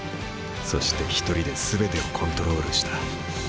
そして一人で全てをコントロールした。